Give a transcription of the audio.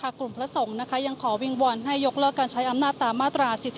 กลุ่มพระสงฆ์ยังขอวิงวอนให้ยกเลิกการใช้อำนาจตามมาตรา๔๔